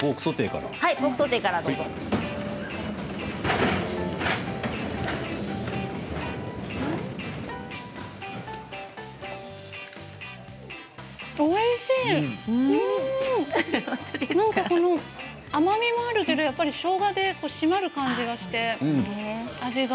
なんかこの甘みもあるけどしょうがで締まる感じがして味が。